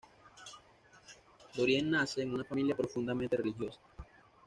Darien nace en una familia profundamente religiosa.